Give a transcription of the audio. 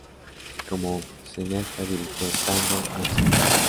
Como cineasta dirigió "Tango and sex".